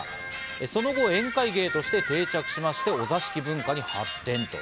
その後、宴会芸として定着しまして、お座敷文化に発展。